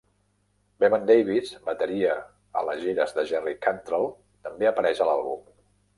Bevan Davies, bateria a les gires de Jerry Cantrell, també apareix a l'àlbum.